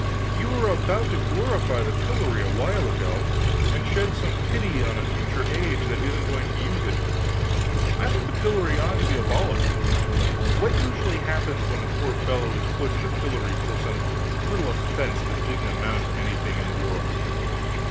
You were about to glorify the pillory a while ago, and shed some pity on a future age that isn't going to use it. I think the pillory ought to be abolished. What usually happens when a poor fellow is put in the pillory for some little offense that didn't amount to anything in the world?